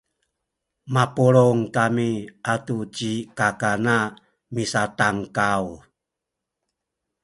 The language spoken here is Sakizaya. mapulung kami atu ci kakana misatankaw